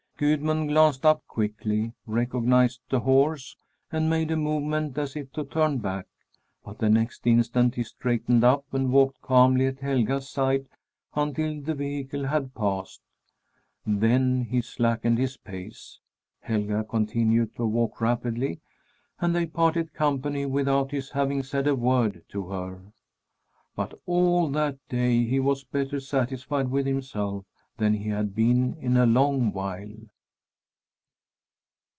Gudmund glanced up quickly, recognized the horse, and made a movement as if to turn back; but the next instant he straightened up and walked calmly at Helga's side until the vehicle had passed. Then he slackened his pace. Helga continued to walk rapidly, and they parted company without his having said a word to her. But all that day he was better satisfied with himself than he had been in a long while.